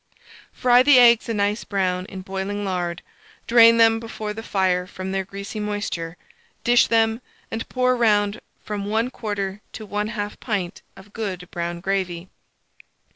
Fry the eggs a nice brown in boiling lard, drain them before the fire from their greasy moisture, dish them, and pour round from 1/4 to 1/2 pint of good brown gravy.